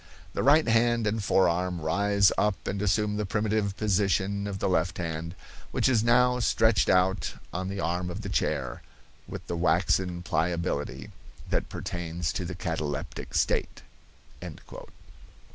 The right hand and forearm rise up and assume the primitive position of the left hand, which is now stretched out on the arm of the chair, with the waxen pliability that pertains to the cataleptic state."